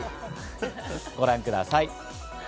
ご覧ください。